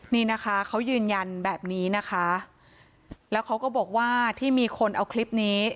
นี่นะคะเขายืนยันแบบนี้นะคะแล้วเขาก็บอกว่าที่มีคนเอาคลิปนี้